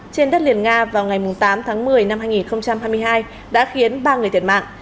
trên đất liền nga vào ngày tám tháng một mươi năm hai nghìn hai mươi hai đã khiến ba người thiệt mạng